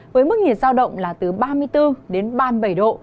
với mức nhiệt giao động là từ ba mươi bốn đến ba mươi bảy độ